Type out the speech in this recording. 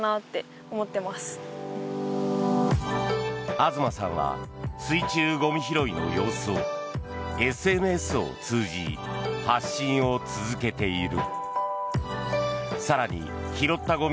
東さんは水中ゴミ拾いの様子をＳＮＳを通じ発信を続けている。